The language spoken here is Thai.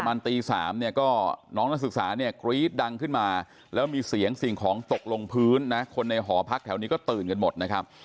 ตี๓เนี่ยก็น้องนักศึกษาเนี่ยกรี๊ดดังขึ้นมาแล้วมีเสียงสิ่งของตกลงพื้นนะคนในหอพักแถวนี้ก็ตื่นกันหมดนะครับ